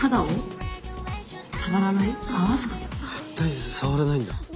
絶対触らないんだ。